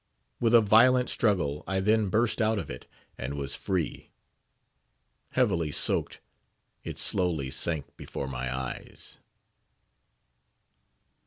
With a violent struggle I then burst out of it, and was free. Heavily soaked, it slowly sank before my eyes.